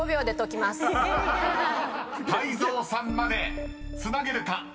［泰造さんまでつなげるか？］